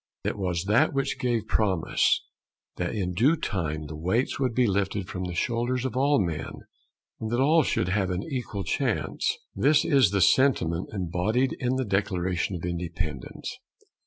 It was that which gave promise that in due time the weights would be lifted from the shoulders of all men, and that all should have an equal chance. This is the sentiment embodied in the Declaration of Independence.